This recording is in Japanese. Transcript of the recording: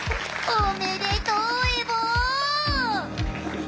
おめでとうエボ！